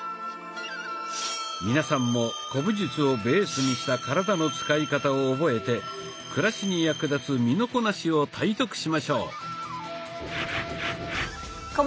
皆さんも古武術をベースにした体の使い方を覚えて暮らしに役立つ身のこなしを体得しましょう。